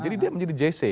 jadi dia menjadi jc